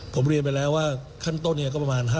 ผมเรียนไปแล้วว่าขั้นต้นเนี่ยก็ประมาณ